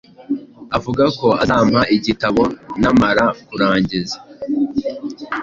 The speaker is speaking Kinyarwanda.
Avuga ko azampa igitabo namara kurangiza.